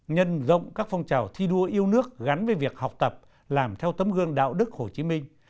nhân rộng các phong trào thi đua yêu nước gắn với việc học tập làm theo tấm gương đạo đức hồ chí minh